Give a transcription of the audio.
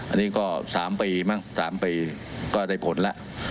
อันนี้ก็๓ปีมั้ง๓ปีก็ได้ผลแล้ว